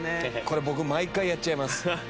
これ僕毎回やっちゃいます。